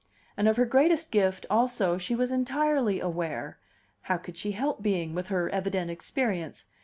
And of her greatest gift, also, she was entirely aware how could she help being, with her evident experience?